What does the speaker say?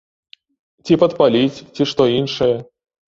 Ці падпаліць, ці што іншае?